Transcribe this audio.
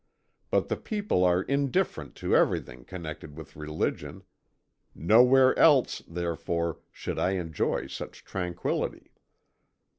But the people are indifferent to everything connected with religion; nowhere else, therefore, should I enjoy such tranquillity."